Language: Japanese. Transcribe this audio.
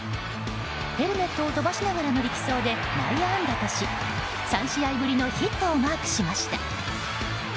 ヘルメットを飛ばしながらの力走で内野安打とし３試合ぶりのヒットをマークしました。